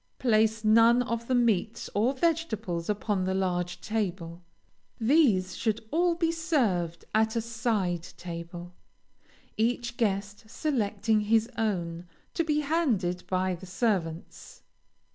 Place none of the meats or vegetables upon the large table. These should all be served at a side table, each guest selecting his own, to be handed by the servants.